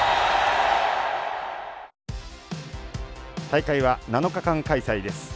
大会は７日間開催です。